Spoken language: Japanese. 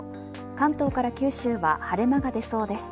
関東から九州は晴れ間が出そうです。